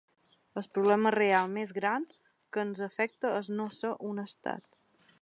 El problema real més gran que ens afecta és no ser un estat.